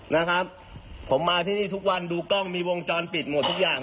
นะครับผมมาที่นี่ทุกวันดูกล้องมีวงจรปิดหมดทุกอย่าง